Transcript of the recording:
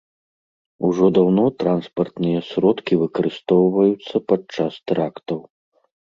Ужо даўно транспартныя сродкі выкарыстоўваюцца падчас тэрактаў.